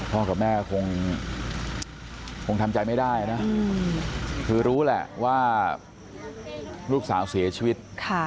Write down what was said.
กับแม่คงทำใจไม่ได้นะคือรู้แหละว่าลูกสาวเสียชีวิต